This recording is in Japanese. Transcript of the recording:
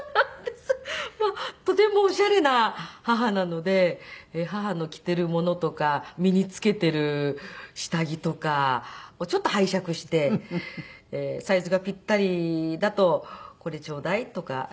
とてもオシャレな義母なので義母の着ているものとか身につけている下着とかをちょっと拝借してサイズがピッタリだとこれ頂戴とか言って。